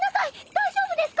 大丈夫ですか？